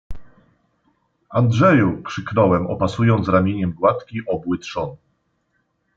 — Andrzeju! — krzyknąłem, opasując ramieniem gładki, obły trzon.